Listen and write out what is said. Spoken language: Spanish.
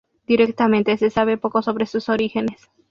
Directamente, se sabe poco sobre sus orígenes.